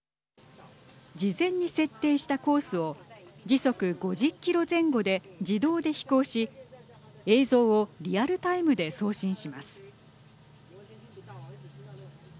事前に設定したコースを時速５０キロ前後で自動で飛行し映像をリアルタイムで送信します。